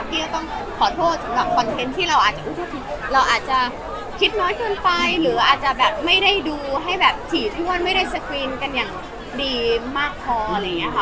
ที่จะต้องขอโทษสำหรับคอนเทนต์ที่เราอาจจะเราอาจจะคิดน้อยเกินไปหรืออาจจะแบบไม่ได้ดูให้แบบถี่ถ้วนไม่ได้สกรีนกันอย่างดีมากพออะไรอย่างนี้ค่ะ